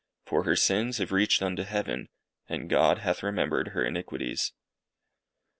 For her sins have reached unto heaven, and God hath remembered her iniquities_."